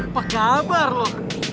apa kabar lu